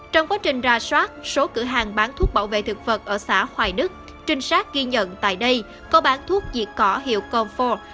trinh sát ghi nhận tại đây có bán thuốc diệt cỏ hiệu comfort